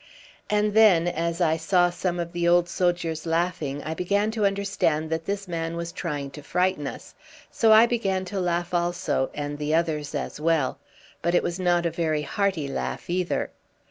And then, as I saw some of the old soldiers laughing, I began to understand that this man was trying to frighten us; so I began to laugh also, and the others as well, but it was not a very hearty laugh either.